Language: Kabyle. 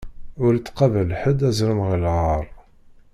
Ur ittqabal ḥedd azrem ɣeṛ lɣaṛ.